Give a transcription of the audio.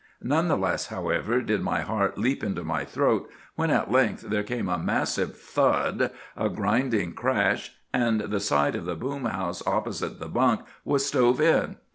None the less, however, did my heart leap into my throat when at length there came a massive thud, a grinding crash, and the side of the boom house opposite the bunk was stove in.